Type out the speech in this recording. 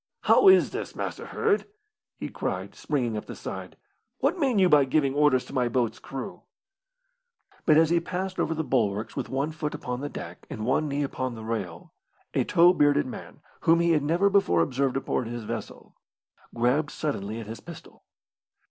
"How is this, Master Hird?" he cried, springing up the side. "What mean you by giving orders to my boat's crew?" But as he passed over the bulwarks, with one foot upon the deck and one knee upon the rail, a tow bearded man, whom he had never before observed aboard his vessel, grabbed suddenly at his pistol.